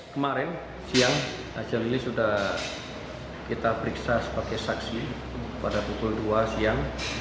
kemarin siang aja lili sudah kita periksa sebagai saksi pada pukul dua siang